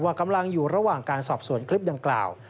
กำลังอยู่ระหว่างการสอบสวนคลิปดังกล่าว